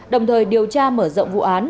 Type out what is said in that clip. đồng thời điều tra mở rộng vụ án